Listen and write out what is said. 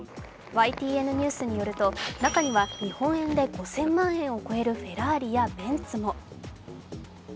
ＹＴＮニュースによると、中には日本円で５０００万円を超えるフェラーリやベンツも。